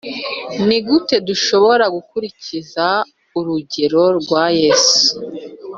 ni gute dushobora gukurikiza urugero rwa yesu